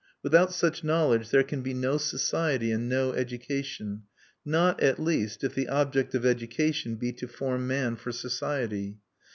Without such knowledge there can be no society and no education, not, at least, if the object of education be to form man for society.